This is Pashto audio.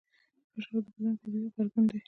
فشار د بدن طبیعي غبرګون دی.